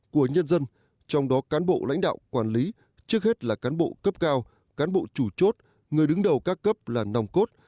của nhân dân trong đó cán bộ lãnh đạo quản lý trước hết là cán bộ cấp cao cán bộ chủ chốt người đứng đầu các cấp là nòng cốt